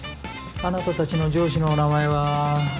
あなたたちの上司の名前は。